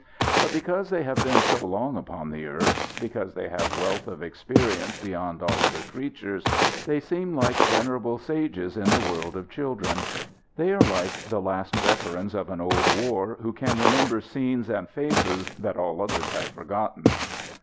But because they have been so long upon the earth, because they have wealth of experience beyond all other creatures, they seem like venerable sages in a world of children. They are like the last veterans of an old war, who can remember scenes and faces that all others have forgotten.